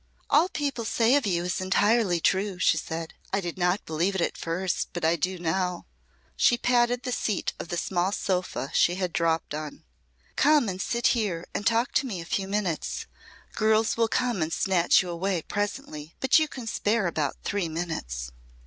"All people say of you is entirely true," she said. "I did not believe it at first but I do now." She patted the seat of the small sofa she had dropped on. "Come and sit here and talk to me a few minutes. Girls will come and snatch you away presently but you can spare about three minutes."